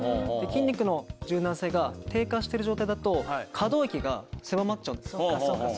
筋肉の柔軟性が低下してる状態だと可動域が狭まっちゃうんです。